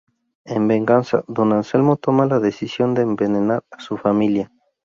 En venganza, Don Anselmo toma la decisión de envenenar a su familia.